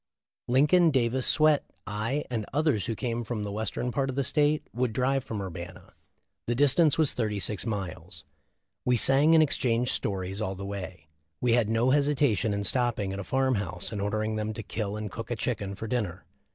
Lincoln, Davis, Swett, I, and others who came from the western part of the state would drive from Urbana. The distance was thirty six miles. We sang and exchanged stories all the way. We had no hesi tation in stopping at a farm house and ordering them to kill and cook a chicken for dinner.